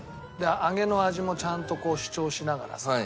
揚げの味もちゃんとこう主張しながらさ。